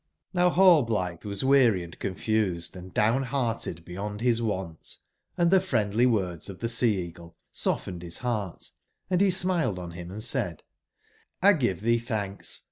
lOCQ Rallblitbe was weary and confused, and down/bearted beyond bis wont, & tbe friendly words of tbe Sea/eagle softened bis lOO heart, and be emiled on bim and said: *'l give tbee tbanhs